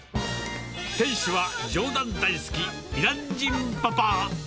店主は冗談大好き、イラン人パパ。